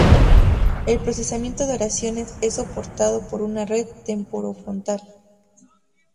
El procesamiento de oraciones es soportado por una red temporo-frontal.